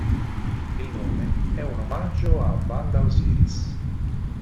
Il nome è un omaggio a Wanda Osiris.